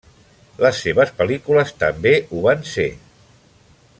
Les seves pel·lícules també ho van ser.